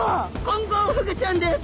コンゴウフグちゃんです。